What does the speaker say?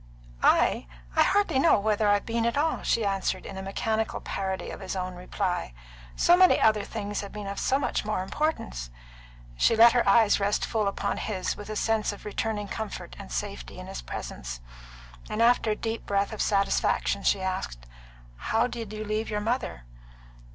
"I? I hardly know whether I've been at all," she answered, in mechanical parody of his own reply. "So many other things have been of so much more importance." She let her eyes rest full upon his, with a sense of returning comfort and safety in his presence, and after a deep breath of satisfaction, she asked, "How did you leave your mother?"